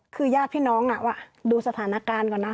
คือยากพี่น้องน่ะว่าดูสถานการณ์ก่อนนะ